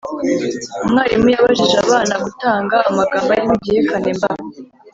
umwarimu yabajije abana gutanga amagambo arimo igihekane "mb"